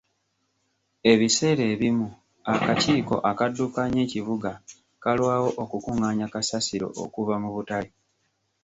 Ebiseera ebimu akakiiko akaddukanya ekibuga kalwawo okukungaanya kasasiro okuva mu butale.